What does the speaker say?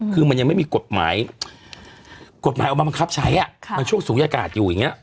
คือมันยังไม่มีกฎหมายกฎหมายออกมาบังคับใช้มันช่วงศูนยากาศอยู่อย่างนี้